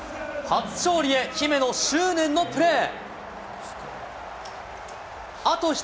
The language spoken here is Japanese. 初勝利へ姫野、執念のプレー。